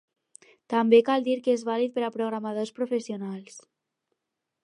També cal dir que és vàlid per a programadors professionals.